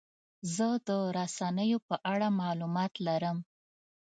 زه د رسنیو په اړه معلومات لرم.